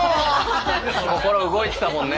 心動いてたもんね。